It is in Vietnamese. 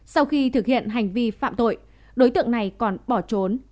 sau khi thực hiện hành vi phạm tội đối tượng này còn bỏ trốn